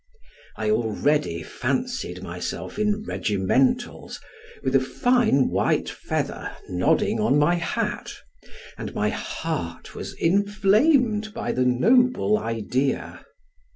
I already fancied myself in regimentals, with a fine white feather nodding on my hat, and my heart was inflamed by the noble idea.